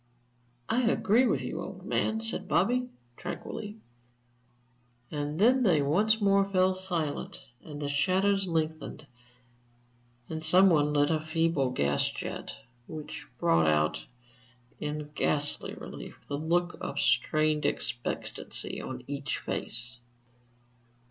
"I agree with you, old man," said Bobby, tranquilly. And then they once more fell silent, and the shadows lengthened, and some one lit a feeble gas jet, which brought out, in ghastly relief, the look of strained expectancy on each face.